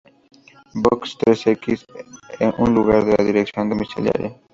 Box xxx, en lugar de su dirección domiciliaria.